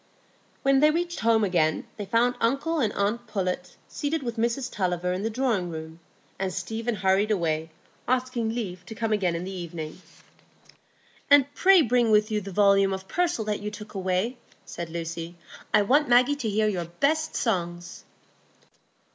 When they reached home again, they found uncle and aunt Pullet seated with Mrs Tulliver in the drawing room, and Stephen hurried away, asking leave to come again in the evening. "And pray bring with you the volume of Purcell that you took away," said Lucy. "I want Maggie to hear your best songs."